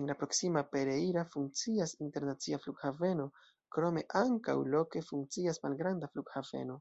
En la proksima Pereira funkcias internacia flughaveno, krome ankaŭ loke funkcias malgranda flughaveno.